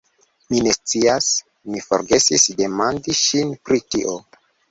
Mi ne scias, mi forgesis demandi ŝin pri tio.